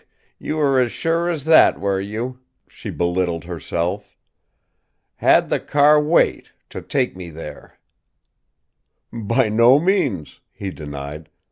"You were as sure as that, were you!" she belittled herself. "Had the car wait to take me there!" "By no means," he denied.